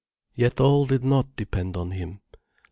Yet all did not depend on him.